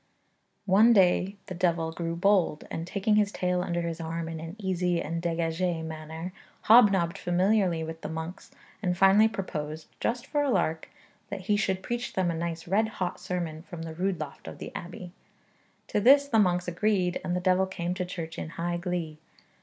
One day the devil grew bold, and taking his tail under his arm in an easy and dégagée manner, hobnobbed familiarly with the monks, and finally proposed, just for a lark, that he should preach them a nice red hot sermon from the rood loft of the abbey. To this the monks agreed, and the devil came to church in high glee.